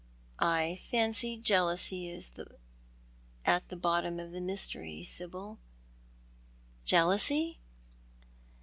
" I fancy jealousy is at the bottom of the mystery, Sibyl." "Jealousy?"